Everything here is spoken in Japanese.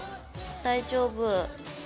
大丈夫。